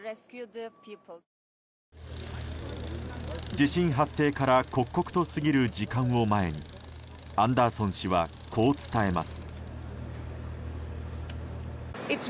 地震発生から刻々と過ぎる時間を前にアンダーソン氏はこう伝えます。